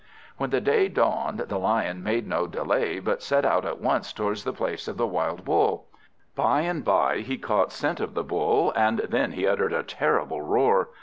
When day dawned, the Lion made no delay, but set out at once towards the place of the wild Bull. By and by he caught scent of the Bull, and then he uttered a terrible roar.